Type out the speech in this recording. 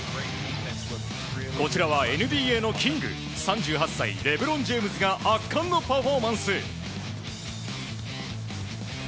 こちらはＮＢＡのキング３８歳、レブロン・ジェームズが圧巻のパフォーマンス。